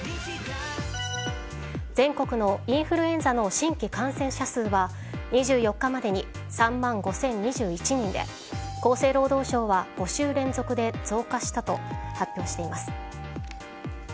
全国のインフルエンザの新規感染者数は２４日までに３万５０２１人で厚生労働省は５週連続で増加したと発表しています。